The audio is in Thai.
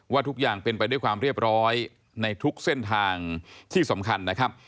ทุกอย่างเป็นไปด้วยความเรียบร้อยในทุกเส้นทางที่สำคัญนะครับ